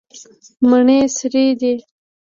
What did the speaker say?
مڼې سرې دي.